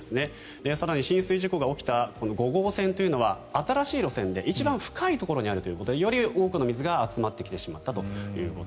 更に浸水事故が起きた５号線というのは新しい路線で一番深いところにあるということでより多くの水が集まってきてしまったと。